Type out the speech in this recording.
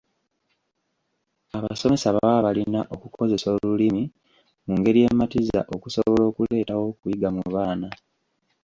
Abasomesa baba balina okukozesa olulimi mu ngeri ematiza okusobola okuleetawo okuyiga mu baana.